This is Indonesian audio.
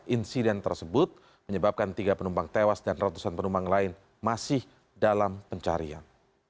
insiden tersebut menyebabkan tiga penumpang tewas dan ratusan penumpang lain masih dalam pencarian